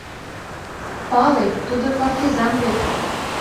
Пале: тудо партизан вет.